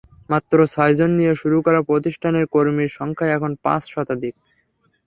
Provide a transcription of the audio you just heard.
মাত্র ছয়জন নিয়ে শুরু করা প্রতিষ্ঠানের কর্মীর সংখ্যা এখন পাঁচ শতাধিক।